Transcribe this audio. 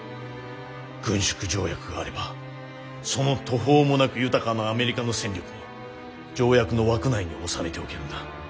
軍縮条約があればその途方もなく豊かなアメリカの戦力も条約の枠内に収めておけるんだ。